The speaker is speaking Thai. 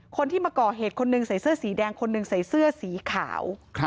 คนที่มาก่อเหตุคนหนึ่งใส่เสื้อสีแดงคนหนึ่งใส่เสื้อสีขาว